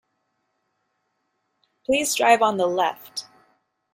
Please drive on the left.